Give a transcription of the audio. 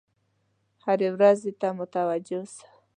هرې ورځې ته متوجه اوسه.